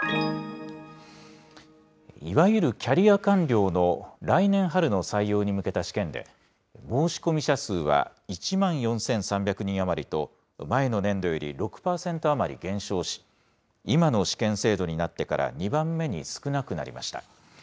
いわゆるキャリア官僚の来年春の採用に向けた試験で、申し込み者数は１万４３００人余りと、前の年度より６％余り減少し、今の試験制度になってから２番目に少なくなりました。